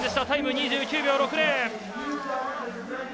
タイム、２９秒６０。